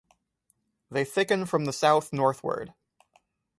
They thicken from the south northward.